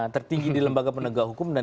tertinggi di lembaga penegak hukum dan